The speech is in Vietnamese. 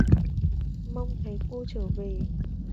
Mong thấy cô trở về